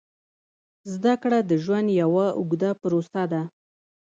زده کړه د ژوند یوه اوږده پروسه ده.